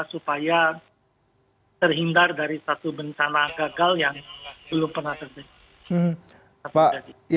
supaya terhindar dari satu bencana gagal yang belum pernah terjadi